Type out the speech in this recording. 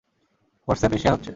WhatsApp এ share হচ্ছে।